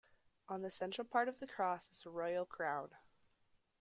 On the central part of the cross is a Royal Crown.